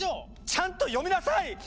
ちゃんと読みなさい！